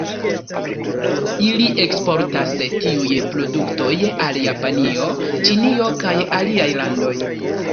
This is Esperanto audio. Ili eksportas tiuj produktoj al Japanio, Ĉinio kaj aliaj landoj.